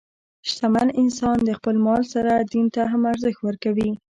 شتمن انسان د خپل مال سره دین ته هم ارزښت ورکوي.